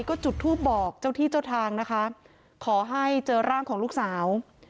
ก็จุดทูปบอกเจ้าที่เจ้าทางนะคะขอให้เจอร่างของลูกสาว